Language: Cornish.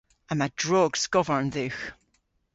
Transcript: Yma drog skovarn dhywgh.